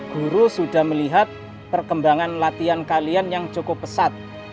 guru sudah melihat perkembangan latihan kalian yang cukup pesat